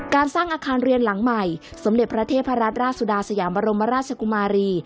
สร้างอาคารเรียนหลังใหม่สมเด็จพระเทพรัตนราชสุดาสยามบรมราชกุมารี